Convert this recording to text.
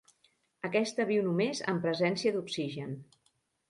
Aquesta viu només en presència d'oxigen.